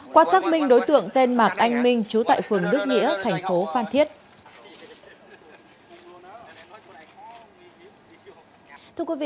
qua xác minh đối tượng tên mạc anh minh trú tại phường đức nghĩa thành phố phan thiết